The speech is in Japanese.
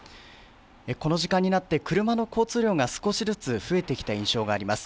この時間になって、車の交通量が少しずつ増えてきた印象があります。